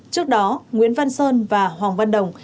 trước đó nguyễn văn sơn và hoàng văn đồng